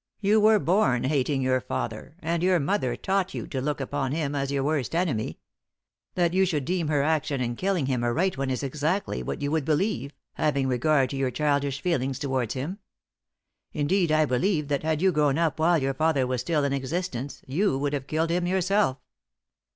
"You were born hating your father, and your mother taught you to look upon him as your worst enemy. That you should deem her action in killing him a right one is exactly what you would believe, having regard to your childish feelings towards him. Indeed, I believe that had you grown up while your father was still in existence you would have killed him yourself."